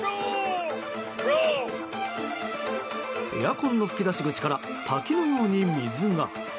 エアコンの吹き出し口から滝のように水が。